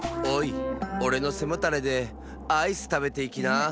おれのせもたれでアイスたべていきな！